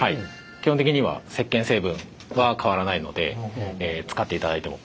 基本的には石けん成分は変わらないので使っていただいても。